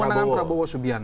pemenangan prabowo subian